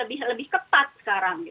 lebih lebih ketat sekarang